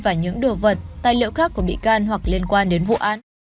và những đồ vật tài liệu khác của bị can hoặc liên quan đến vụ án